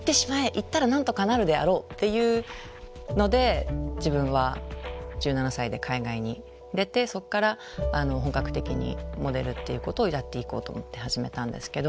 行ったらなんとかなるであろうっていうので自分は１７歳で海外に出てそこから本格的にモデルっていうことをやっていこうと思って始めたんですけど。